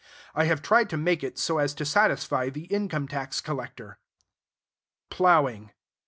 I have tried to make it so as to satisfy the income tax collector: Plowing.......................................